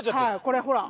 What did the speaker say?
これほら。